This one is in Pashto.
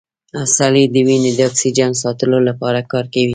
سږي د وینې د اکسیجن ساتلو لپاره کار کوي.